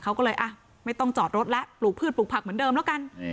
เขาก็เลยอ่ะไม่ต้องจอดรถแล้วปลูกพืชปลูกผักเหมือนเดิมแล้วกัน